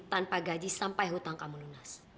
tanpa gaji sampai hutang kamu lunas